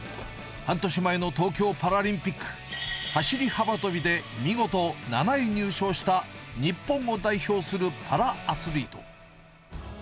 半年前の東京パラリンピック、走り幅跳びで、見事７位入賞した、日本を代表するパラアスリート。